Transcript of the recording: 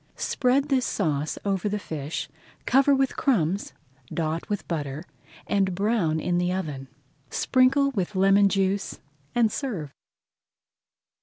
Spread this sauce over the fish, cover with crumbs, dot with butter, and brown in the oven. Sprinkle with lemon juice and serve.